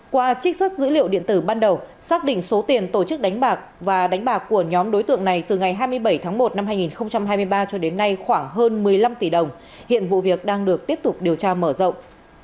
qua trích xuất dữ liệu điện tử ban đầu xác định số tiền tổ chức đánh bạc và đánh bạc của nhóm đối tượng này từ ngày hai mươi bảy tháng một năm hai nghìn hai mươi ba cho đến nay khoảng hơn một mươi năm tỷ đồng hiện vụ việc đang được tiếp tục điều tra mở rộng